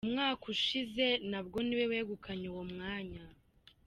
Umwaka ushize nabwo niwe wegukanye uwo mwanya.